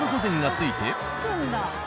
付くんだ。